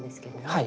はい。